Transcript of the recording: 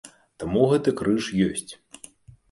Таму гэты крыж ёсць.